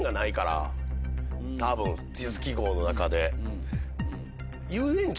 多分地図記号の中で。